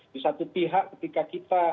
di satu pihak ketika kita